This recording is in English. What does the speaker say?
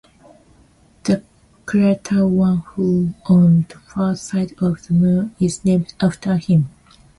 The crater Wan-Hoo on the far side of the Moon is named after him.